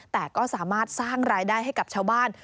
แต่ก็สามารถสร้างรายได้ให้กับชาวบ้าน